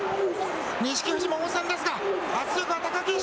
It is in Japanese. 錦富士も応戦ですが圧力は貴景勝。